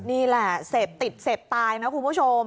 นี่แหละเสพติดเสพตายนะคุณผู้ชม